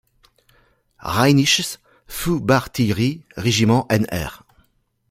Rheinisches Fußartillerie-Regiment Nr.